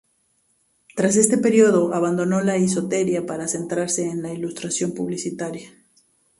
Tras este periodo abandonó la historieta para centrarse en la ilustración publicitaria.